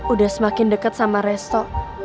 udah semakin dekat sama resto